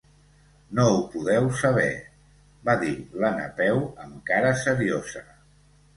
No ho podeu saber —va dir la Napeu amb cara seriosa—.